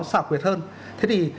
xảo quyệt hơn thế thì